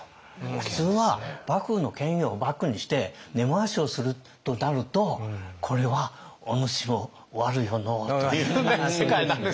普通は幕府の権威をバックにして根回しをするとなるとこれは「おぬしも悪よのう」という世界になるんです。